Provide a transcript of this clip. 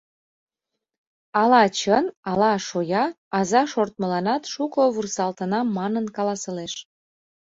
Ала чын, ала шоя — аза шортмыланат шуко вурсалтынам манын каласылеш.